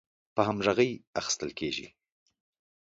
په همغږۍ اخیستل کیږي